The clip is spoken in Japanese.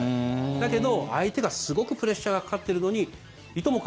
だけど、相手がすごくプレッシャーがかかっているのにいとも